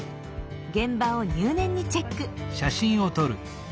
現場を入念にチェック。